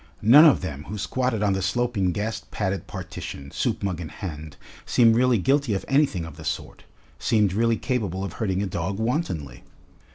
None of them who squatted on the sloping gas padded partition, soup mug in hand, seemed really guilty of anything of the sort, seemed really capable of hurting a dog wantonly.